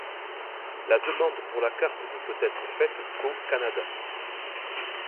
La demande pour la carte ne peut être faite qu'au Canada.